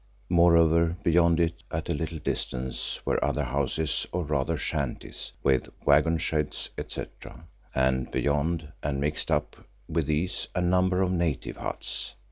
Moreover, beyond it, at a little distance were other houses or rather shanties with waggon sheds, etc., and beyond and mixed up with these a number of native huts.